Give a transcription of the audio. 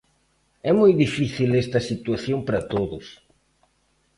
É moi difícil esta situación para todos.